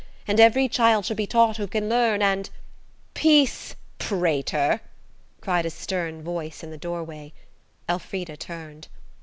And every child shall be taught who can learn, and–" "Peace, prater," cried a stern voice in the doorway. Elfrida turned.